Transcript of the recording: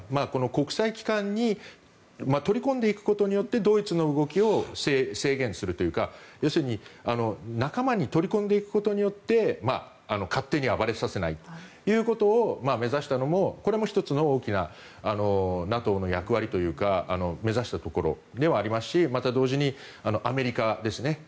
国際機関に取り込んでいくことによってドイツの動きを制限するというか要するに、仲間に取り込んでいくことによって勝手に暴れさせないということを目指したのもこれも１つの大きなＮＡＴＯの役割というか目指したところではありますしまた同時に、アメリカですね。